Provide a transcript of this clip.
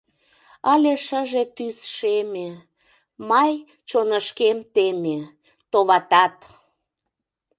Ыле шыже тӱс шеме — Май чонышкем теме, товатат!